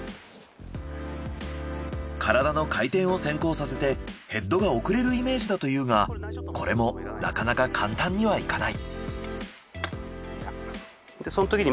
体の回転を先行させてヘッドが遅れるイメージだというがこれもなかなか簡単にはいかない。